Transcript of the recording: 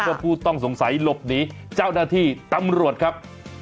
ผู้ต้องสงสัยหลบหนีเจ้าหน้าที่ตำรวจครับ